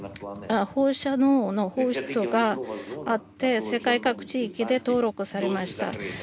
放射能の放出があって世界各地域で登録されました。